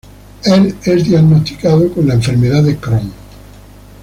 Él es diagnosticado con la enfermedad de Crohn.